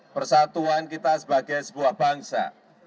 persatuan kita sebagai sebuah bangsa